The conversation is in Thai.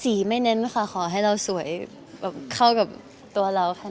สีไม่เน้นค่ะขอให้เราสวยเข้ากับตัวเราแค่นั้น